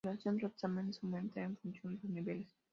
La duración de los exámenes aumenta en función de los niveles.